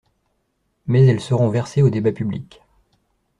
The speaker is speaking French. Mais elles seront versées au débat public.